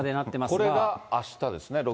これがあしたですね。